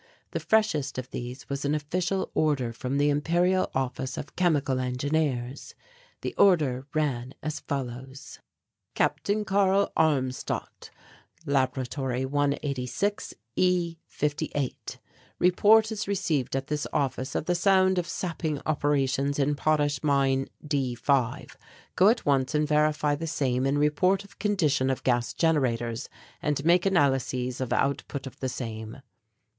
The freshest of these was an official order from the Imperial Office of Chemical Engineers. The order ran as follows: Capt. Karl Armstadt Laboratory 186, E. 58. Report is received at this office of the sound of sapping operations in potash mine D5. Go at once and verify the same and report of condition of gas generators and make analyses of output of the same.